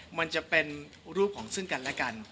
มันจะเป็นรูปของซึ่งกันและกัน